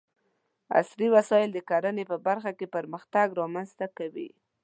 عصري وسايل د کرنې په برخه کې پرمختګ رامنځته کوي.